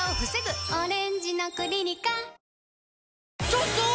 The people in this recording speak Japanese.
ちょっとー！